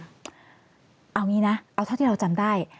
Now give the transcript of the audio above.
เอาอย่างนี้นะเอาเท่าที่เราจำได้